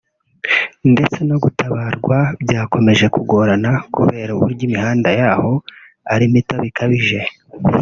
ndetse no gutabarwa byakomeje kugorana kubera ubruyo imihanda yahoo ari mito bikabije